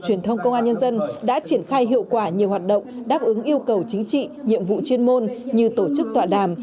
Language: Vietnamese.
công an tiên dân đã triển khai hiệu quả nhiều hoạt động đáp ứng yêu cầu chính trị nhiệm vụ chuyên môn như tổ chức tọa đàm